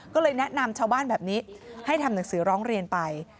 ก็เลยแนะนำชาวบ้านแบบนี้ให้ทำหนังสือร้องเรียนไป